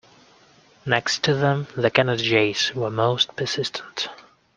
Next to them the Canada jays were most persistent.